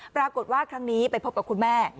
ปรากฏว่าครั้งนี้ไปพบกับคุณแม่